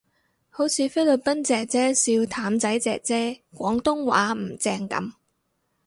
好似菲律賓姐姐笑譚仔姐姐廣東話唔正噉